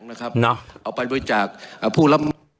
และทุกเชอร์ดพัฒนาภารการ